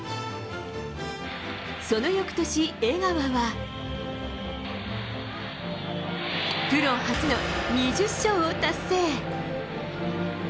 その翌年、江川はプロ初の２０勝を達成！